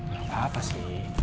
gak apa apa sih